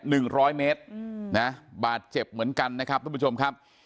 หนึ่งร้อยเมตรอืมนะบาดเจ็บเหมือนกันนะครับทุกผู้ชมครับ